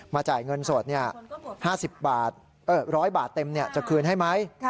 จ่ายเงินสด๕๐บาท๑๐๐บาทเต็มจะคืนให้ไหม